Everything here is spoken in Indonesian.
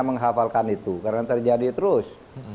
menghafalkan itu karena terjadi terus